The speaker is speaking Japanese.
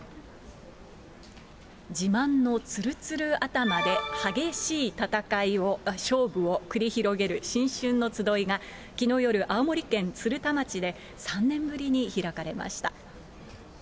自慢のつるつる頭で激しい戦いを、勝負を繰り広げる新春の集いが、きのう夜、青森県鶴田町で３年ぶりに開かれました。